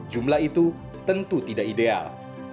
jumlah itu tentu tidak ideal